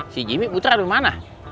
si jimmy putra dimana